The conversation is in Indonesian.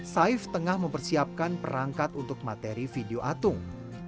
saif tengah mempersiapkan perangkat untuk materi video atung